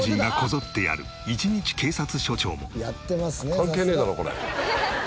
関係ねえだろこれ。